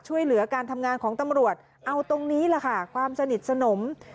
ช่วยเหลือการทำงานของตำรวจเอาตรงนี้แหละค่ะความสนิทสนม